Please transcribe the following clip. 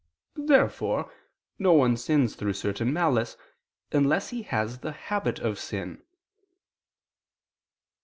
Therefore no one sins through certain malice, unless he has the habit of sin.